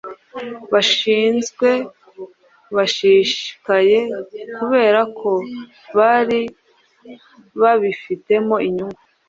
bashinzwe bashishikaye kubera ko bari babifitemo inyungu